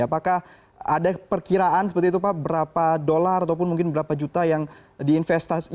apakah ada perkiraan seperti itu pak berapa dolar ataupun mungkin berapa juta yang diinvestasi